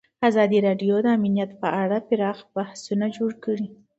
ازادي راډیو د امنیت په اړه پراخ بحثونه جوړ کړي.